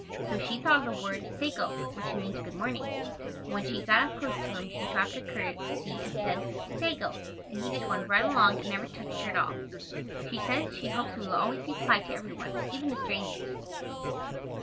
So she thought of the word sago, which means "good morning," and when she got up close to him she dropped a curtesy and said "Sago," and he just went right along and never touched her at all. She says she hopes we will always be polite to every one, even to strangers.